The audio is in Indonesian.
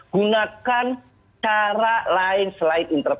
gunakan cara lain selain interpelasi